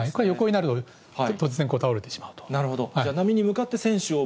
これが横になると、ちょっと倒れてしまうと。